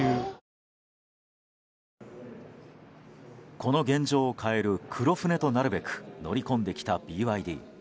この現状を変える黒船となるべく乗り込んできたＢＹＤ。